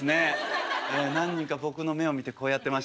何人か僕の目を見てこうやってました。